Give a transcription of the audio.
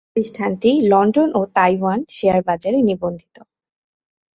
প্রতিষ্ঠানটি লন্ডন ও Taiwan share বাজারে নিবন্ধিত।